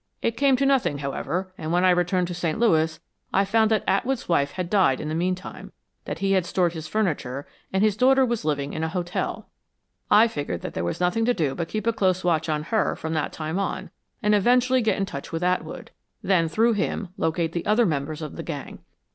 It came to nothing, however, and when I returned to St. Louis I found that Atwood's wife had died in the meantime that he had stored his furniture, and his daughter was living in an hotel. I figured that there was nothing to do but keep a close watch on her from that time on, and eventually get in touch with Atwood; then, through him, locate the other members of the gang.